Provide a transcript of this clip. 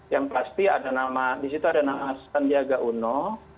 yang pasti ada nama di situ ada nama sandiaga uno